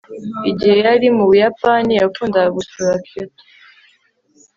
igihe yari mu buyapani, yakundaga gusura kyoto